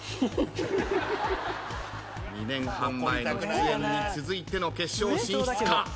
２年半前の出演に続いての決勝進出か？